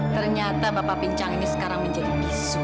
ternyata bapak pincang ini sekarang menjadi isu